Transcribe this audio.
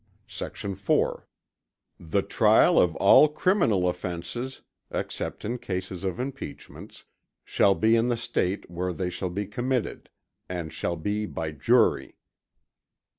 Sect. 4. The trial of all criminal offences (except in cases of impeachments) shall be in the State where they shall be committed; and shall be by jury.